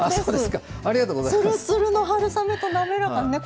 つるつるの春雨と滑らかなね